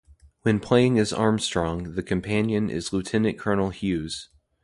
When playing as Armstrong, the companion is Lieutenant Colonel Hughes.